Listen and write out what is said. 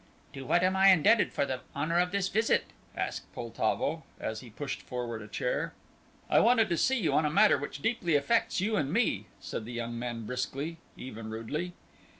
"To what am I indebted for the honour of this visit?" asked Poltavo, as he pushed forward a chair. "I wanted to see you on a matter which deeply affects you and me," said the young man briskly, even rudely.